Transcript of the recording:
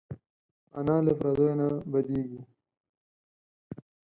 انا له پردیو نه بدېږي